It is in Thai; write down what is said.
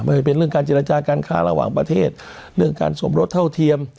เป็นเรื่องการเจรจาการข่าวระหว่างประเทศเรื่องการสมรสเท่าเทียม